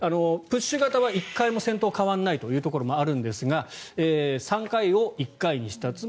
プッシュ型は１回も先頭が変わらないというところもあるんですが３回を１回にした。